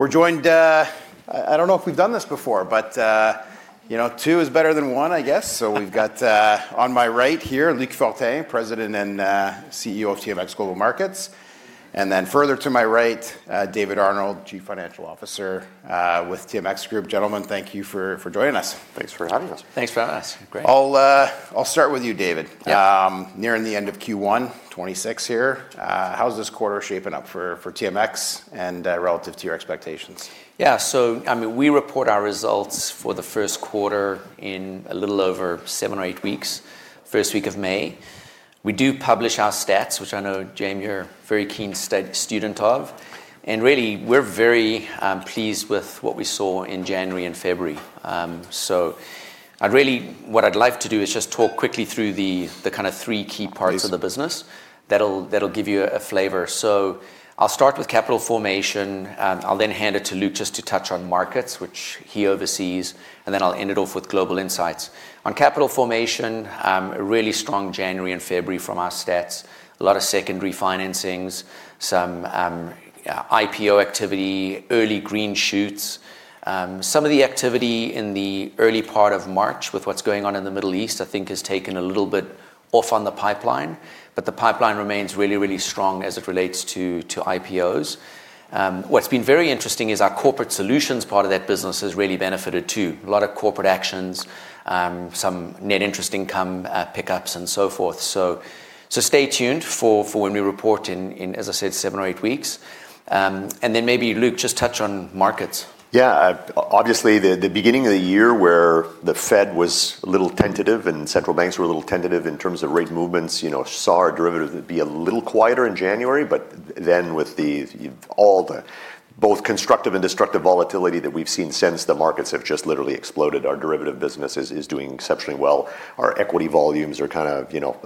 We're joined. I don't know if we've done this before, but you know, two is better than one, I guess. We've got on my right here, Luc Fortin, President and CEO of TMX Global Markets. Further to my right, David Arnold, Chief Financial Officer with TMX Group. Gentlemen, thank you for joining us. Thanks for having us. Thanks for having us. Great. I'll start with you, David. Yeah. Nearing the end of Q1 2026 here, how's this quarter shaping up for TMX and relative to your expectations? Yeah. I mean, we report our results for the first quarter in a little over 7 or 8 weeks, first week of May. We do publish our stats, which I know, Jaeme, you're a very keen student of, and really we're very pleased with what we saw in January and February. Really what I'd like to do is just talk quickly through the kind of three key parts of the business that'll give you a flavor. I'll start with capital formation and I'll then hand it to Luc just to touch on markets, which he oversees, and then I'll end it off with Global Insights. On capital formation, a really strong January and February from our stats. A lot of secondary financings, some IPO activity, early green shoots. Some of the activity in the early part of March with what's going on in the Middle East, I think has taken a little bit off the pipeline. The pipeline remains really strong as it relates to IPOs. What's been very interesting is our corporate solutions part of that business has really benefited too. A lot of corporate actions, some net interest income pickups and so forth. Stay tuned for when we report in, as I said, seven or eight weeks. Maybe Luc just touch on markets. Yeah. Obviously the beginning of the year where the Fed was a little tentative and central banks were a little tentative in terms of rate movements, you know, saw our derivatives be a little quieter in January. Then with all the both constructive and destructive volatility that we've seen since, the markets have just literally exploded. Our derivative business is doing exceptionally well. Our equity volumes are kind of, you know,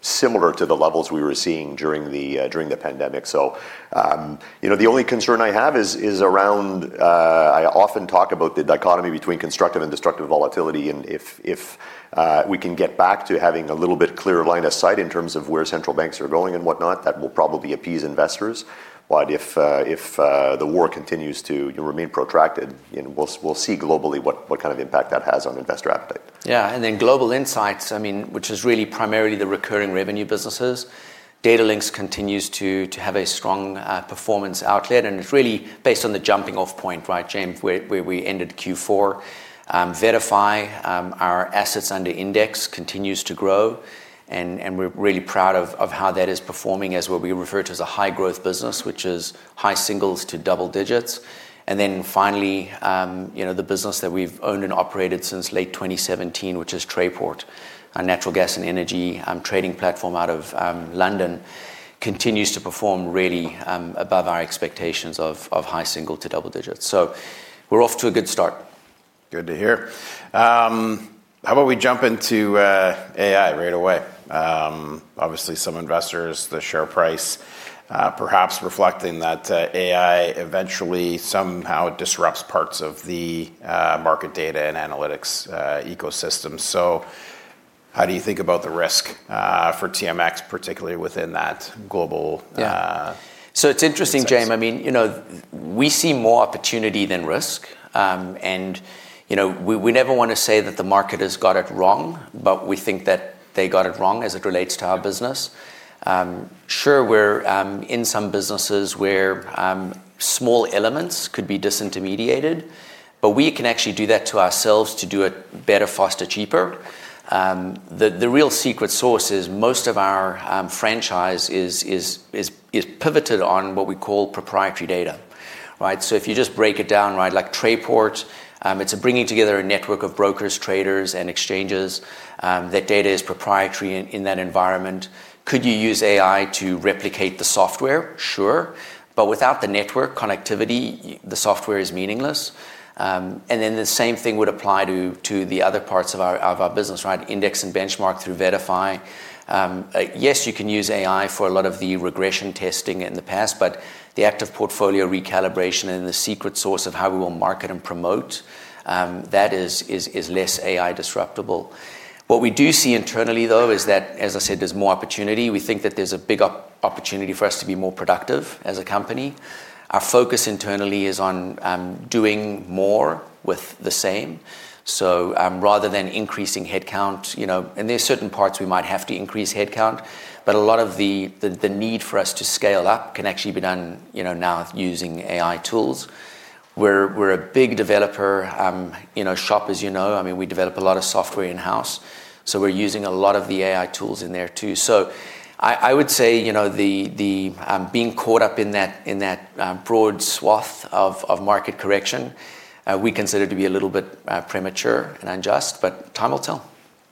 similar to the levels we were seeing during the pandemic. You know, the only concern I have is around. I often talk about the dichotomy between constructive and destructive volatility. If we can get back to having a little bit clearer line of sight in terms of where central banks are going and whatnot, that will probably appease investors. If the war continues to remain protracted, you know, we'll see globally what kind of impact that has on investor appetite. Yeah. Global Insights, I mean, which is really primarily the recurring revenue businesses. TMX Datalinx continues to have a strong performance outlet. It's really based on the jumping off point, right, Jaeme, where we ended Q4. VettaFi, our assets under index continues to grow and we're really proud of how that is performing as what we refer to as a high growth business, which is high singles to double digits. Finally, you know, the business that we've owned and operated since late 2017, which is Trayport, our natural gas and energy trading platform out of London continues to perform really above our expectations of high single to double digits. We're off to a good start. Good to hear. How about we jump into AI right away? Obviously some investors, the share price, perhaps reflecting that, AI eventually somehow disrupts parts of the market data and analytics ecosystem. How do you think about the risk for TMX, particularly within that Global Insights? It's interesting, Jaeme. I mean, you know, we see more opportunity than risk. You know, we never wanna say that the market has got it wrong, but we think that they got it wrong as it relates to our business. Sure, we're in some businesses where small elements could be disintermediated, but we can actually do that to ourselves to do it better, faster, cheaper. The real secret sauce is most of our franchise is pivoted on what we call proprietary data, right? If you just break it down, right, like Trayport, it's bringing together a network of brokers, traders, and exchanges. That data is proprietary in that environment. Could you use AI to replicate the software? Sure. But without the network connectivity, the software is meaningless. The same thing would apply to the other parts of our business, right? Index and benchmark through VettaFi. Yes, you can use AI for a lot of the regression testing in the past, but the active portfolio recalibration and the secret sauce of how we will market and promote that is less AI disruptable. What we do see internally though is that, as I said, there's more opportunity. We think that there's a big opportunity for us to be more productive as a company. Our focus internally is on doing more with the same. Rather than increasing headcount, you know, and there's certain parts we might have to increase headcount, but a lot of the need for us to scale up can actually be done, you know, now using AI tools. We're a big developer, you know, shop, as you know. I mean, we develop a lot of software in-house, so we're using a lot of the AI tools in there too. I would say, you know, the being caught up in that broad swath of market correction we consider to be a little bit premature and unjust, but time will tell.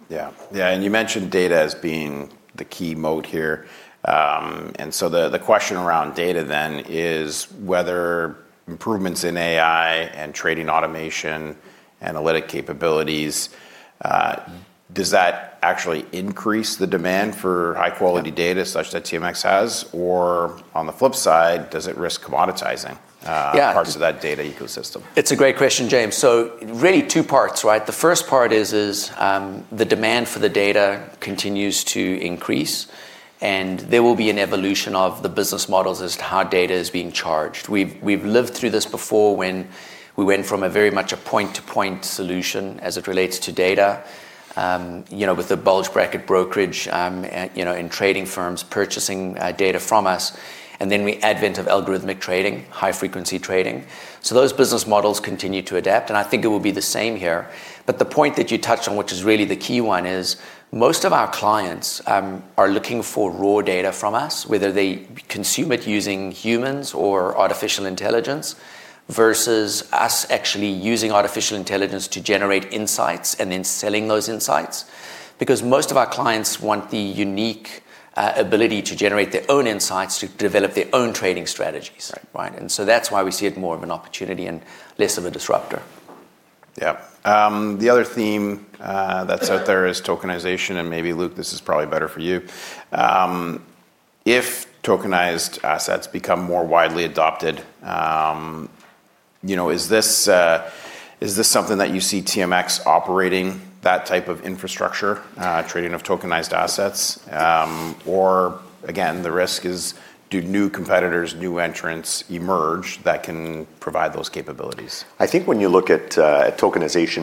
Yeah. Yeah, and you mentioned data as being the key moat here. The question around data then is whether improvements in AI and trading automation, analytic capabilities does that actually increase the demand for high quality data such that TMX has? Or on the flip side, does it risk commoditizing parts of that data ecosystem? It's a great question, Jaeme. Really two parts, right? The first part is the demand for the data continues to increase, and there will be an evolution of the business models as to how data is being charged. We've lived through this before when we went from a very much a point to point solution as it relates to data. You know, with the bulge bracket brokerage, you know, and trading firms purchasing data from us, and then the advent of algorithmic trading, high frequency trading. Those business models continue to adapt, and I think it will be the same here. The point that you touched on, which is really the key one, is most of our clients are looking for raw data from us, whether they consume it using humans or artificial intelligence, versus us actually using artificial intelligence to generate insights and then selling those insights. Because most of our clients want the unique ability to generate their own insights to develop their own trading strategies. Right. Right. That's why we see it more of an opportunity and less of a disruptor. Yeah. The other theme that's out there is tokenization, and maybe Luc, this is probably better for you. If tokenized assets become more widely adopted, you know, is this something that you see TMX operating that type of infrastructure, trading of tokenized assets? Again, the risk is do new competitors, new entrants emerge that can provide those capabilities? I think when you look at tokenization,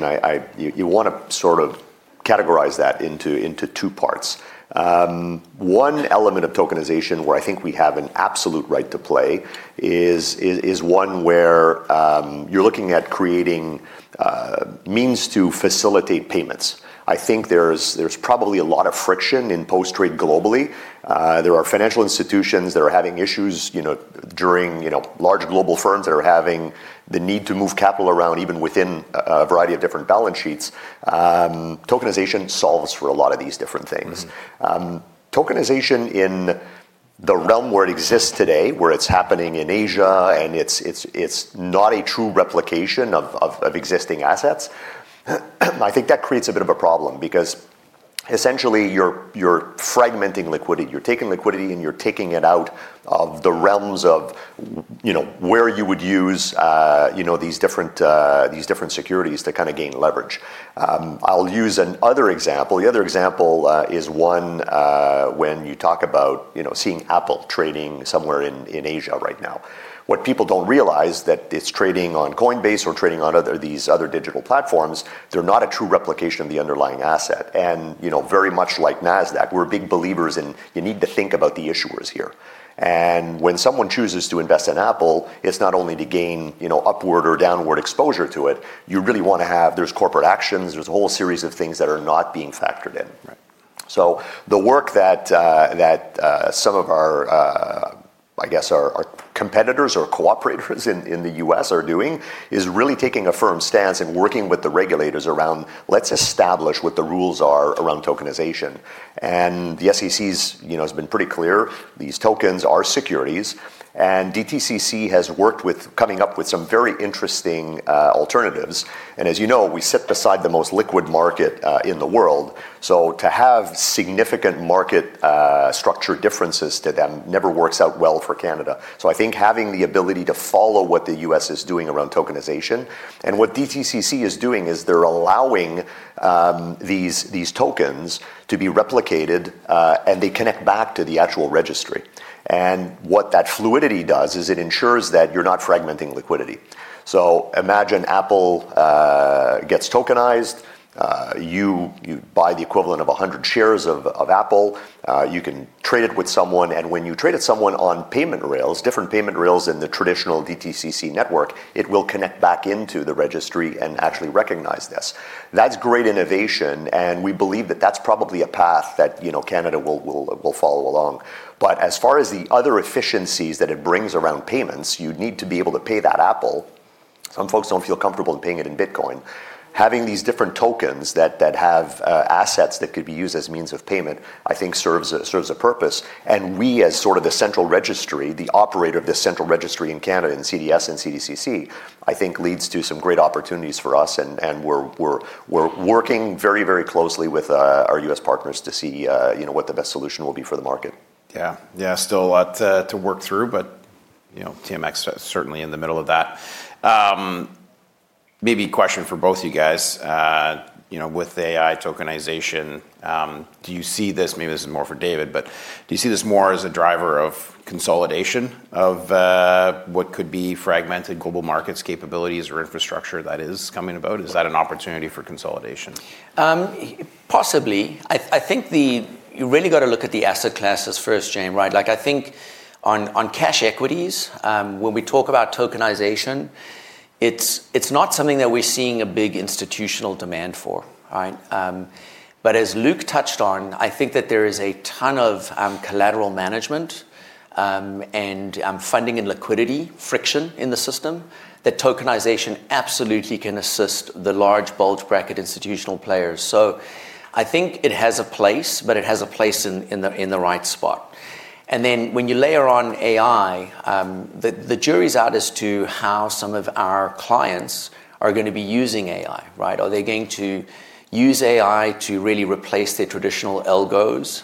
you wanna sort of categorize that into two parts. One element of tokenization where I think we have an absolute right to play is one where you're looking at creating means to facilitate payments. I think there's probably a lot of friction in post-trade globally. There are financial institutions that are having issues, you know, dealing, you know, large global firms that are having the need to move capital around, even within a variety of different balance sheets. Tokenization solves for a lot of these different things. Mm-hmm. Tokenization in the realm where it exists today, where it's happening in Asia and it's not a true replication of existing assets, I think that creates a bit of a problem because essentially you're fragmenting liquidity. You're taking liquidity, and you're taking it out of the realms of, you know, where you would use these different securities to kind of gain leverage. I'll use another example. The other example is one when you talk about, you know, seeing Apple trading somewhere in Asia right now. What people don't realize that it's trading on Coinbase or trading on these other digital platforms, they're not a true replication of the underlying asset. You know, very much like Nasdaq, we're big believers in you need to think about the issuers here. When someone chooses to invest in Apple, it's not only to gain, you know, upward or downward exposure to it, you really wanna have, there's corporate actions, there's a whole series of things that are not being factored in. Right. The work that some of our, I guess, competitors or cooperators in the U.S. are doing is really taking a firm stance and working with the regulators around let's establish what the rules are around tokenization. The SEC has, you know, been pretty clear, these tokens are securities, and DTCC has worked on coming up with some very interesting alternatives. As you know, we sit beside the most liquid market in the world. To have significant market structure differences to them never works out well for Canada. I think having the ability to follow what the U.S. is doing around tokenization, and what DTCC is doing is they're allowing these tokens to be replicated and they connect back to the actual registry. What that fluidity does is it ensures that you're not fragmenting liquidity. Imagine Apple gets tokenized. You buy the equivalent of 100 shares of Apple. You can trade it with someone, and when you trade it someone on payment rails, different payment rails in the traditional DTCC network, it will connect back into the registry and actually recognize this. That's great innovation, and we believe that that's probably a path that, you know, Canada will follow along. As far as the other efficiencies that it brings around payments, you'd need to be able to pay that Apple. Some folks don't feel comfortable in paying it in Bitcoin. Having these different tokens that have assets that could be used as means of payment, I think serves a purpose. We as sort of the central registry, the operator of the central registry in Canada, in CDS and CDCC, I think leads to some great opportunities for us. We're working very, very closely with our U.S. partners to see, you know, what the best solution will be for the market. Yeah. Still a lot to work through, but you know, TMX certainly in the middle of that. Maybe a question for both of you guys. You know, with AI tokenization, do you see this—maybe this is more for David, but do you see this more as a driver of consolidation of what could be fragmented global markets capabilities or infrastructure that is coming about? Is that an opportunity for consolidation? Possibly. I think you really gotta look at the asset classes first, Jaeme, right? Like I think on cash equities, when we talk about tokenization, it's not something that we're seeing a big institutional demand for, right? But as Luc touched on, I think that there is a ton of collateral management and funding and liquidity friction in the system that tokenization absolutely can assist the large bulge bracket institutional players. So I think it has a place, but it has a place in the right spot. Then when you layer on AI, the jury's out as to how some of our clients are gonna be using AI, right? Are they going to use AI to really replace their traditional algos?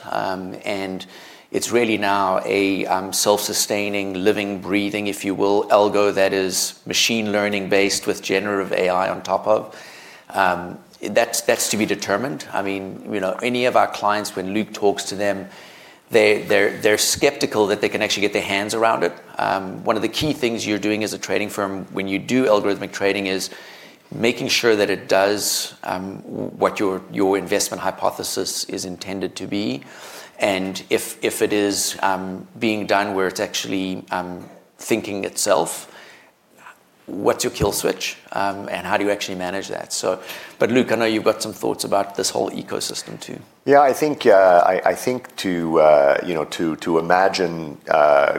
It's really now a self-sustaining, living, breathing, if you will, algo that is machine learning-based with generative AI on top of. That's to be determined. I mean, you know, any of our clients, when Luc talks to them. They're skeptical that they can actually get their hands around it. One of the key things you're doing as a trading firm when you do algorithmic trading is making sure that it does what your investment hypothesis is intended to be, and if it is being done where it's actually thinking itself, what's your kill switch and how do you actually manage that? Luc, I know you've got some thoughts about this whole ecosystem too. Yeah. I think, you know, to imagine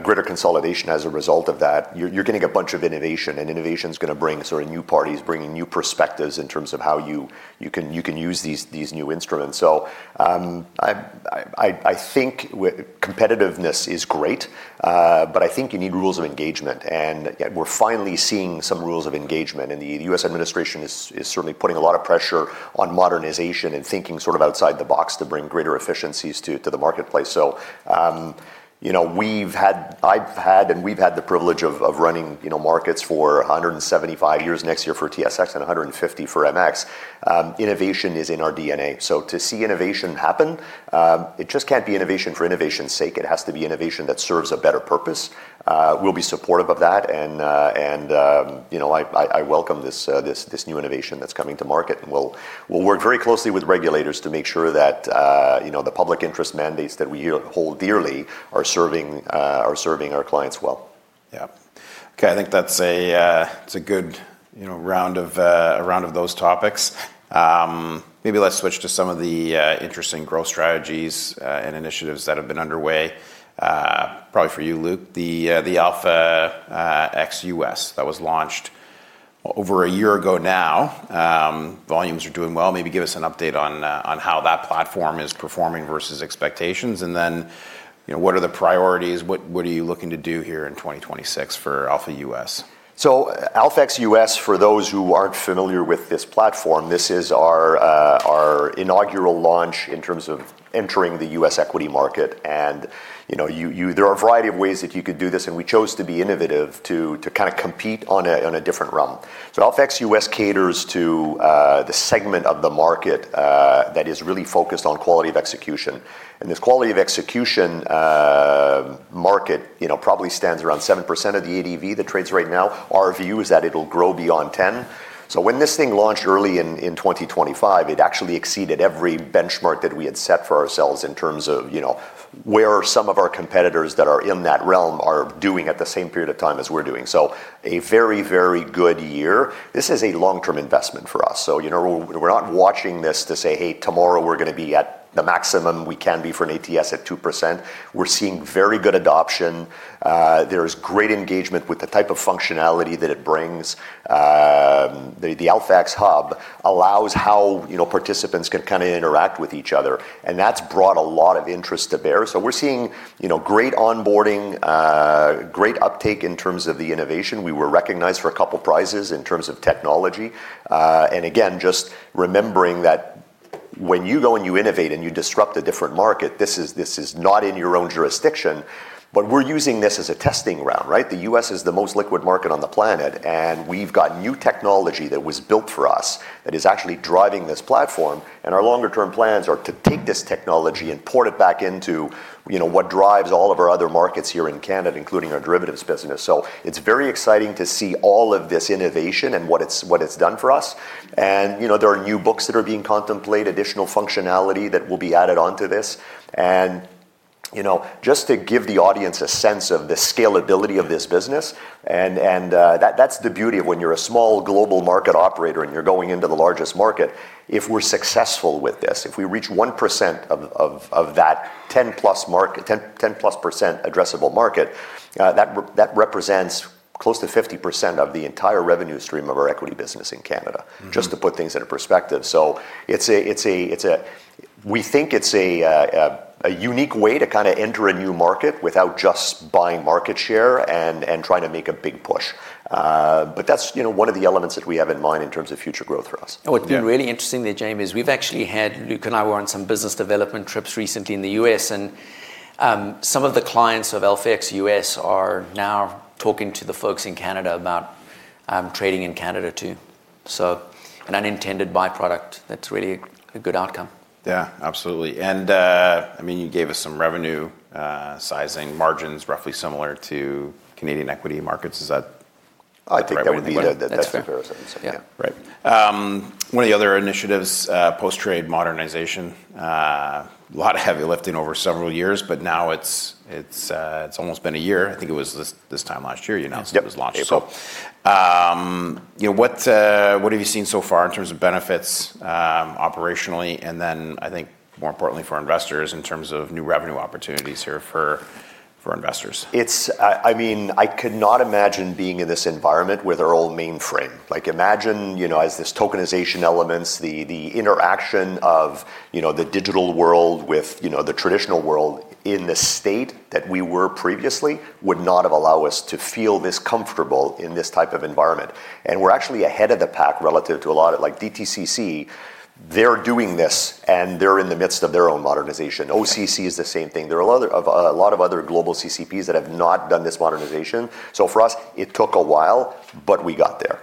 greater consolidation as a result of that, you're getting a bunch of innovation, and innovation's gonna bring sort of new parties, bringing new perspectives in terms of how you can use these new instruments. I think competitiveness is great, but I think you need rules of engagement, and we're finally seeing some rules of engagement. The U.S. administration is certainly putting a lot of pressure on modernization and thinking sort of outside the box to bring greater efficiencies to the marketplace. You know, we've had the privilege of running, you know, markets for 175 years next year for TSX and 150 for MX. Innovation is in our DNA. To see innovation happen, it just can't be innovation for innovation's sake. It has to be innovation that serves a better purpose. We'll be supportive of that and, you know, I welcome this new innovation that's coming to market. We'll work very closely with regulators to make sure that, you know, the public interest mandates that we hold dearly are serving our clients well. Yeah. Okay. I think that's a good, you know, round of those topics. Maybe let's switch to some of the interesting growth strategies and initiatives that have been underway, probably for you, Luc. The AlphaX US that was launched over a year ago now. Volumes are doing well. Maybe give us an update on how that platform is performing versus expectations. You know, what are the priorities? What are you looking to do here in 2026 for Alpha US? AlphaX US, for those who aren't familiar with this platform, this is our inaugural launch in terms of entering the U.S. equity market. There are a variety of ways that you could do this, and we chose to be innovative to kind of compete on a different realm. AlphaX US caters to the segment of the market that is really focused on quality of execution. This quality of execution market probably stands around 7% of the ADV that trades right now. Our view is that it'll grow beyond 10%. When this thing launched early in 2025, it actually exceeded every benchmark that we had set for ourselves in terms of, you know, where some of our competitors that are in that realm are doing at the same period of time as we're doing. A very, very good year. This is a long-term investment for us. You know, we're not watching this to say, "Hey, tomorrow we're gonna be at the maximum we can be for an ATS at 2%." We're seeing very good adoption. There's great engagement with the type of functionality that it brings. The AlphaX Hub allows how, you know, participants can kind of interact with each other, and that's brought a lot of interest to bear. We're seeing, you know, great onboarding, great uptake in terms of the innovation. We were recognized for a couple of prizes in terms of technology. Again, just remembering that when you go, and you innovate, and you disrupt a different market, this is not in your own jurisdiction, but we're using this as a testing ground, right? The U.S. is the most liquid market on the planet, and we've got new technology that was built for us that is actually driving this platform, and our longer term plans are to take this technology and port it back into, you know, what drives all of our other markets here in Canada, including our derivatives business. It's very exciting to see all of this innovation and what it's done for us. You know, there are new books that are being contemplated, additional functionality that will be added onto this. You know, just to give the audience a sense of the scalability of this business, that's the beauty of when you're a small global market operator and you're going into the largest market. If we're successful with this, if we reach 1% of that 10%+ addressable market, that represents close to 50% of the entire revenue stream of our equity business in Canada, just to put things into perspective. It's a unique way to kind of enter a new market without just buying market share and trying to make a big push. But that's, you know, one of the elements that we have in mind in terms of future growth for us. Oh, it's been really interesting there, Jaeme. As we've actually had Luc and I were on some business development trips recently in the U.S., and some of the clients of AlphaX US are now talking to the folks in Canada about trading in Canada too. An unintended byproduct, that's really a good outcome. Yeah, absolutely. I mean, you gave us some revenue sizing margins roughly similar to Canadian equity markets. Is that- I think that would be the best comparison. Yeah. Right. One of the other initiatives, post-trade modernization, a lot of heavy lifting over several years, but now it's almost been a year. I think it was this time last year you announced it was launched. Yep. April. You know, what have you seen so far in terms of benefits, operationally, and then I think more importantly for investors in terms of new revenue opportunities here for investors? I mean, I could not imagine being in this environment with our old mainframe. Like, imagine, you know, as this tokenization elements, the interaction of, you know, the digital world with, you know, the traditional world in the state that we were previously would not have allowed us to feel this comfortable in this type of environment. We're actually ahead of the pack relative to a lot of like DTCC. They're doing this, and they're in the midst of their own modernization. OCC is the same thing. There are a lot of other global CCPs that have not done this modernization. For us, it took a while, but we got there.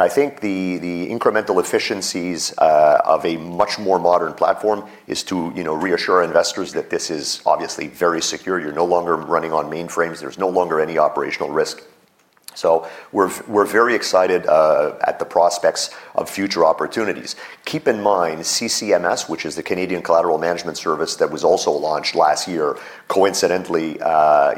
I think the incremental efficiencies of a much more modern platform is to, you know, reassure investors that this is obviously very secure. You're no longer running on mainframes. There's no longer any operational risk. We're very excited at the prospects of future opportunities. Keep in mind, CCMS, which is the Canadian Collateral Management Service that was also launched last year, coincidentally,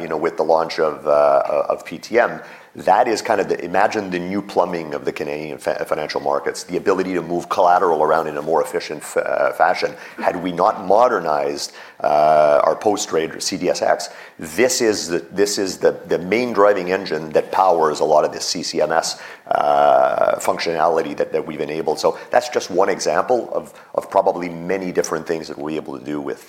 you know, with the launch of PTM, that is kind of, imagine the new plumbing of the Canadian financial markets, the ability to move collateral around in a more efficient fashion. Had we not modernized our post-trade CDSX, this is the main driving engine that powers a lot of this CCMS functionality that we've enabled. That's just one example of probably many different things that we'll be able to do with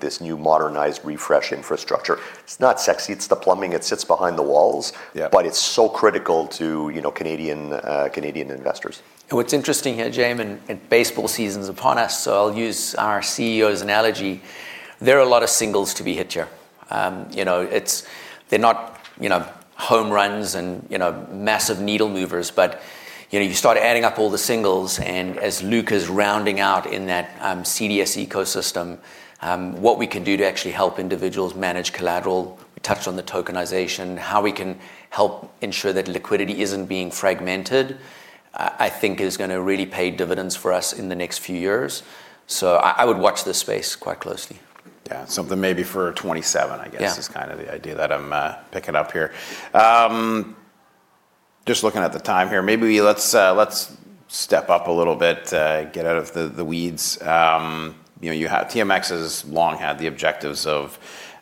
this new modernized refresh infrastructure. It's not sexy. It's the plumbing. It sits behind the walls. Yeah. It's so critical to, you know, Canadian investors. What's interesting here, Jaeme, and baseball season's upon us, so I'll use our CEO's analogy. There are a lot of singles to be hit here. You know, it's, they're not, you know, home runs and, you know, massive needle movers, but, you know, you start adding up all the singles, and as Luc is rounding out in that CDS ecosystem, what we can do to actually help individuals manage collateral. We touched on the tokenization, how we can help ensure that liquidity isn't being fragmented, I think is gonna really pay dividends for us in the next few years. I would watch this space quite closely. Yeah. Something maybe for 2027, I guess, is kind of the idea that I'm picking up here. Just looking at the time here, maybe let's step up a little bit, get out of the weeds. You know, TMX has long had the objectives of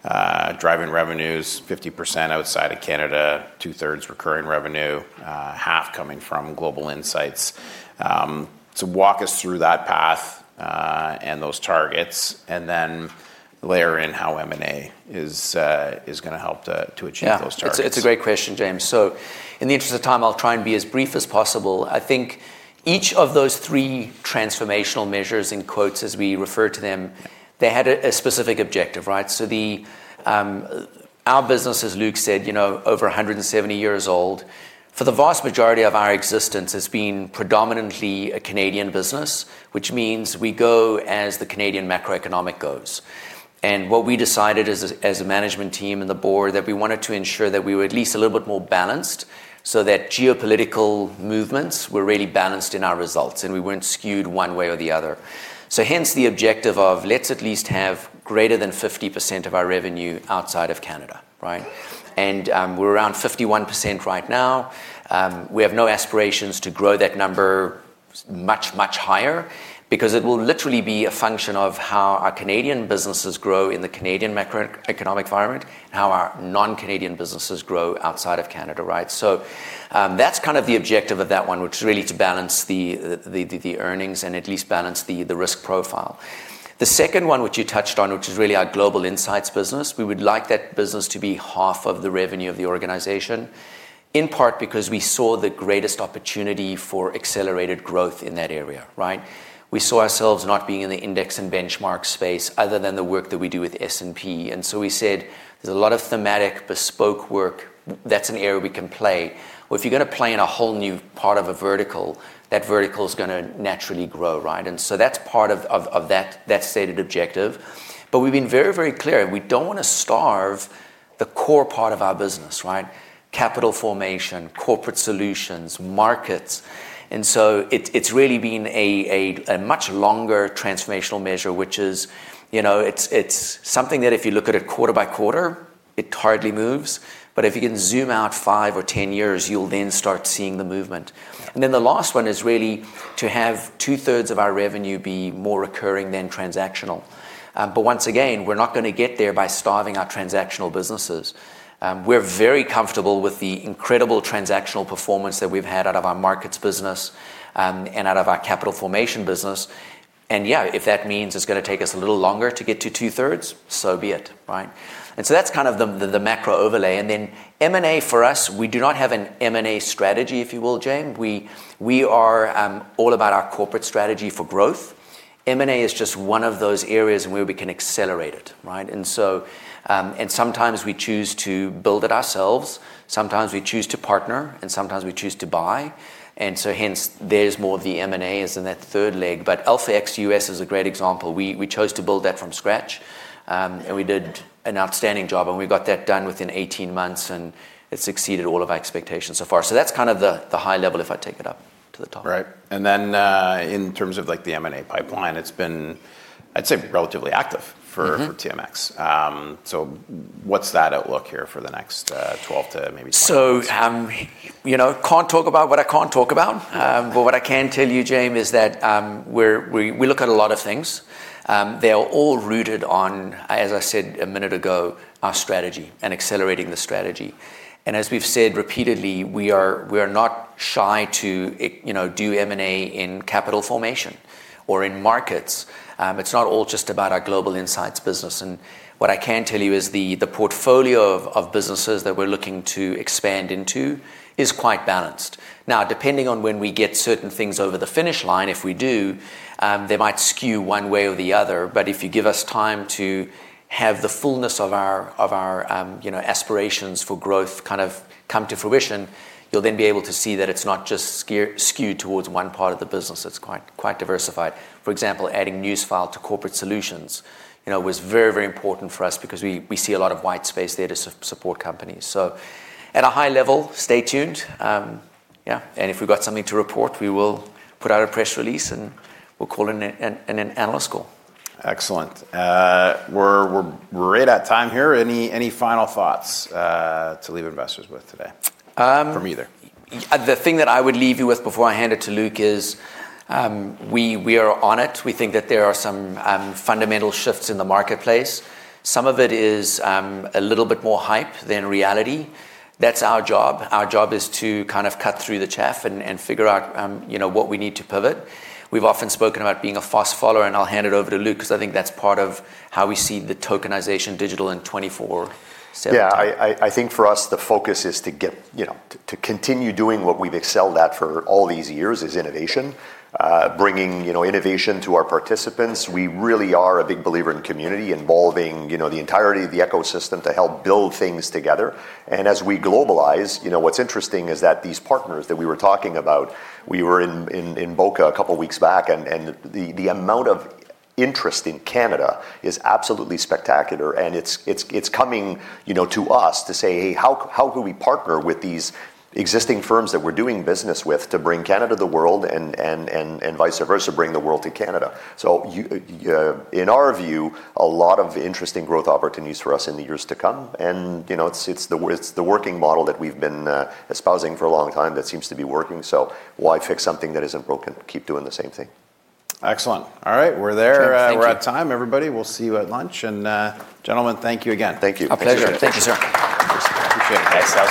driving revenues 50% outside of Canada, two-thirds recurring revenue, half coming from Global Insights. Walk us through that path, and those targets, and then layer in how M&A is gonna help to achieve those targets. Yeah. It's a great question, Jaeme. In the interest of time, I'll try and be as brief as possible. I think each of those three transformational measures in quotes as we refer to them, they had a specific objective, right? Our business, as Luc said, you know, over 170 years old, for the vast majority of our existence has been predominantly a Canadian business, which means we go as the Canadian macroeconomic goes. What we decided as a management team and the board, that we wanted to ensure that we were at least a little bit more balanced so that geopolitical movements were really balanced in our results, and we weren't skewed one way or the other. Hence the objective of, let's at least have greater than 50% of our revenue outside of Canada, right? We're around 51% right now. We have no aspirations to grow that number much higher because it will literally be a function of how our Canadian businesses grow in the Canadian macroeconomic environment, how our non-Canadian businesses grow outside of Canada, right? That's kind of the objective of that one, which is really to balance the earnings and at least balance the risk profile. The second one which you touched on, which is really our Global Insights business, we would like that business to be half of the revenue of the organization, in part because we saw the greatest opportunity for accelerated growth in that area, right? We saw ourselves not being in the index and benchmark space other than the work that we do with S&P. We said, there's a lot of thematic bespoke work. That's an area we can play. Well, if you're gonna play in a whole new part of a vertical, that vertical is gonna naturally grow, right? That's part of that stated objective. We've been very clear. We don't wanna starve the core part of our business, right? Capital formation, corporate solutions, markets. It's really been a much longer transformational measure, which is, you know, it's something that if you look at it quarter by quarter, it hardly moves. If you can zoom out five or ten years, you'll then start seeing the movement. The last one is really to have two-thirds of our revenue be more recurring than transactional. Once again, we're not gonna get there by starving our transactional businesses. We're very comfortable with the incredible transactional performance that we've had out of our markets business, and out of our capital formation business. Yeah, if that means it's gonna take us a little longer to get to two-thirds, so be it, right? That's kind of the macro overlay. Then M&A for us, we do not have an M&A strategy, if you will, Jaeme. We are all about our corporate strategy for growth. M&A is just one of those areas where we can accelerate it, right? Sometimes we choose to build it ourselves, sometimes we choose to partner, and sometimes we choose to buy. Hence, there's more of the M&A in that third leg. AlphaX US is a great example. We chose to build that from scratch, and we did an outstanding job, and we got that done within 18 months, and it's exceeded all of our expectations so far. That's kind of the high level if I take it up to the top. Right. In terms of like the M&A pipeline, it's been, I'd say, relatively active for TMX. What's that outlook here for the next 12 to maybe 20 months? You know, can't talk about what I can't talk about. What I can tell you, Jaeme, is that we look at a lot of things. They are all rooted on, as I said a minute ago, our strategy and accelerating the strategy. As we've said repeatedly, we are not shy to, you know, do M&A in capital formation or in markets. It's not all just about our Global Insights business. What I can tell you is the portfolio of businesses that we're looking to expand into is quite balanced. Now, depending on when we get certain things over the finish line, if we do, they might skew one way or the other. If you give us time to have the fullness of our aspirations for growth kind of come to fruition, you'll then be able to see that it's not just skewed towards one part of the business. It's quite diversified. For example, adding Newsfile to corporate solutions, you know, was very important for us because we see a lot of white space there to support companies. At a high level, stay tuned. Yeah. If we've got something to report, we will put out a press release and we'll call an analyst call. Excellent. We're right at time here. Any final thoughts to leave investors with today? Um- From either- The thing that I would leave you with before I hand it to Luc is, we are on it. We think that there are some fundamental shifts in the marketplace. Some of it is a little bit more hype than reality. That's our job. Our job is to kind of cut through the chaff and figure out, you know, what we need to pivot. We've often spoken about being a fast follower, and I'll hand it over to Luc, 'cause I think that's part of how we see the tokenization digital in 2024, 2027. Yeah, I think for us, the focus is to get, you know, to continue doing what we've excelled at for all these years, is innovation. Bringing, you know, innovation to our participants. We really are a big believer in community, involving, you know, the entirety of the ecosystem to help build things together. As we globalize, you know, what's interesting is that these partners that we were talking about, we were in Boca a couple weeks back and the amount of interest in Canada is absolutely spectacular and it's coming, you know, to us to say, "Hey, how do we partner with these existing firms that we're doing business with to bring Canada to the world and vice versa, bring the world to Canada?" In our view, a lot of interesting growth opportunities for us in the years to come. You know, it's the working model that we've been espousing for a long time that seems to be working. Why fix something that isn't broken? Keep doing the same thing. Excellent. All right. We're there. Sure. Thank you. We're at time, everybody. We'll see you at lunch. Gentlemen, thank you again. Thank you. Our pleasure. Thank you, sir. Appreciate it. Excellent.